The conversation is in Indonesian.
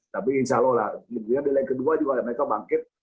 tapi insya allah di leg kedua juga mereka bangkit